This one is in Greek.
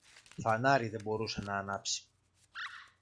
Φανάρι δεν μπορούσε να ανάψει